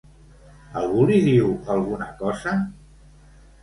Algú li diu alguna cosa?